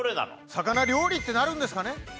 魚料理ってなるんですかね？